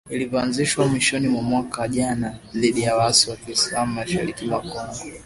iliyoanzishwa mwishoni mwa mwaka jana dhidi ya waasi wa kiislam mashariki mwa Kongo msemaji wa operesheni hiyo alisema